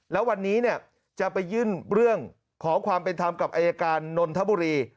แล้ววันนี้จะไปยื่นเรื่องขอความเป็นธรรมกับอายการนนทบุรี